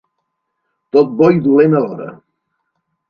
Tot bo i dolent alhora.